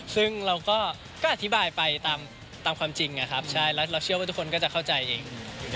ซึ่งเราก็อธิบายไปตามความจริงนะครับใช่แล้วเราเชื่อว่าทุกคนก็จะเข้าใจเอง